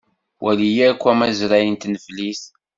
Wali akk amazray n tneflit.